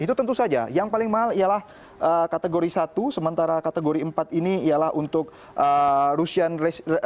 itu tentu saja yang paling mahal ialah kategori satu sementara kategori empat ini ialah untuk rusian race